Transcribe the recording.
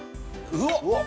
うわっ